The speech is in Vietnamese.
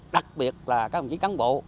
đặc biệt là các công chí cán bộ